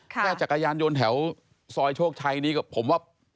จักรยานยนต์แถวซอยโชคชัยนี้ก็ผมว่า